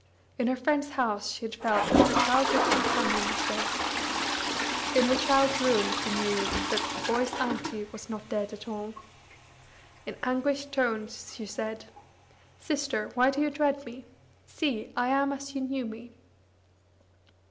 In her friend's house she had felt that her childhood's companion was dead. In her child's room she knew that the boy's "Auntie" was not dead at all. In anguished tones she said: "Sister, why do you dread me? See, I am as you knew me."